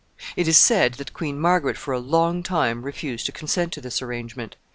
It is said that Queen Margaret for a long time refused to consent to this arrangement.